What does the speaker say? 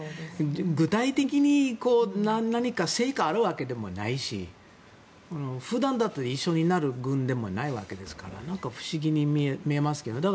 具体的に何か成果があるわけでもないし普段だと一緒になる軍でもないわけですからなんか不思議に見えますけどね。